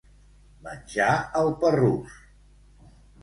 Menjar el parrús.